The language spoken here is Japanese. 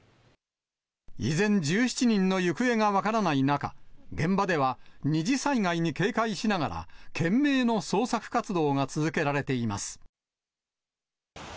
依然、１７人の行方が分からない中、現場では二次災害に警戒しながら、懸命の捜索活動が続けられています。